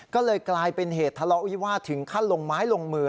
ก็เลยกลายเป็นเหตุทะเลาะวิวาสถึงขั้นลงไม้ลงมือ